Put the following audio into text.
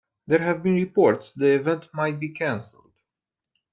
There have been reports the event might be canceled.